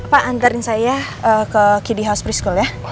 pak antarin saya ke kiddy house preschool ya